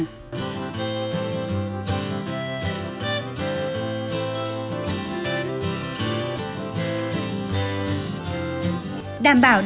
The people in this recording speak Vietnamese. thịt đậu cá phô maii